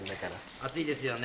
熱いですよね？